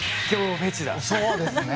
そうですね。